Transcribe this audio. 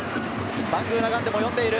バングーナガンデも呼んでいる。